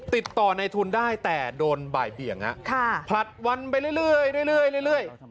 ติดต่อในทุนได้แต่โดนบ่ายเบียงน่ะค่ะพลัดวันไปเรื่อยเรื่อยเรื่อย